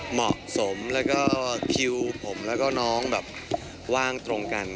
เหมาะสมแล้วก็คิวผมแล้วก็น้องแบบว่างตรงกัน